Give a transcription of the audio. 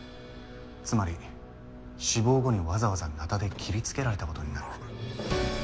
つまり死亡後にわざわざナタで切りつけられたことになる。